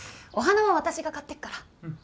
お花は私が買ってくから。